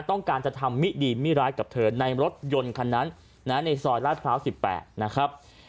ต้องการจะทำมิดีมิร้ายกับเธอในรถยนต์คันนั้นในซอยลาดพร้าว๑๘นะครับ